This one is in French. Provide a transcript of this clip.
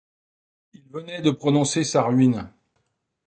Il venait de prononcer sa ruine.